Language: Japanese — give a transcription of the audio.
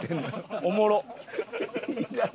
おもろっ。